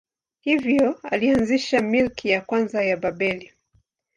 Hivyo alianzisha milki ya kwanza ya Babeli.